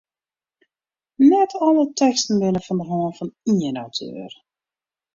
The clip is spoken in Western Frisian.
Net alle teksten binne fan de hân fan ien auteur.